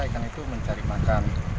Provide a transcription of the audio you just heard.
ikan itu mencari makan